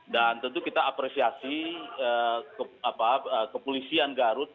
dan tentu kita apresiasi kepolisian garut